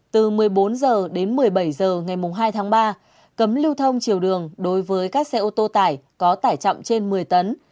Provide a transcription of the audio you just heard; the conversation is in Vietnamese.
từ một mươi bốn h đến một mươi bảy h ngày hai tháng ba cấm lưu thông chiều đường đối với các xe ô tô tải có tải trọng trên một mươi tấn